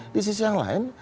di sisi yang lain